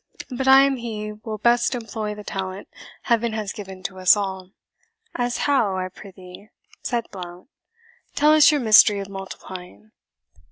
But I am he will best employ the talent Heaven has given to us all." "As how, I prithee?" said Blount; "tell us your mystery of multiplying."